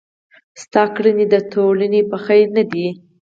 ستا کړني د ټولني په خير نه دي.